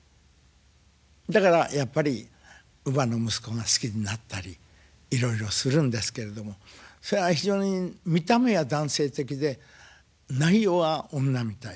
だからやっぱり乳母の息子が好きになったりいろいろするんですけれどもそりゃあ非常に見た目は男性的で内容は女みたい。